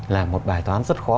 là một bài toán rất khó